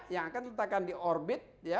yang akan diletakkan di orbit